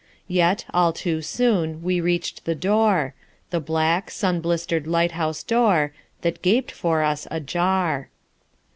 Yet, all too soon, we reached the door— The black, sun blistered lighthouse door, That gaped for us ajar.